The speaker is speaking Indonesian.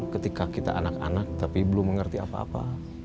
ketika kita anak anak tapi belum mengerti apa apa